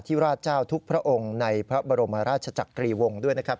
ราชเจ้าทุกพระองค์ในพระบรมราชจักรีวงศ์ด้วยนะครับ